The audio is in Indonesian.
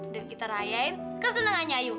dan kita rayain kesenangannya yu